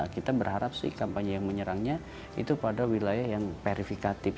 kita berharap sih kampanye yang menyerangnya itu pada wilayah yang verifikatif